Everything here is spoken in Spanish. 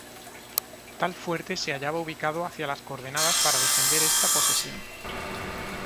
Tal fuerte se hallaba ubicado hacia las coordenadas para defender esta posesión.